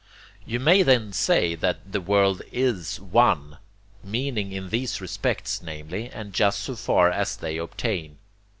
You may then say that 'the world IS One' meaning in these respects, namely, and just so far as they obtain.